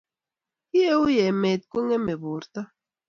kieu emet kongemei porto